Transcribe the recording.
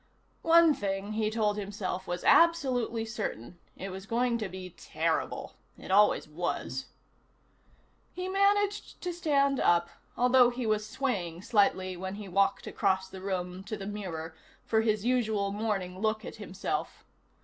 One thing, he told himself, was absolutely certain: it was going to be terrible. It always was. He managed to stand up, although he was swaying slightly when he walked across the room to the mirror for his usual morning look at himself.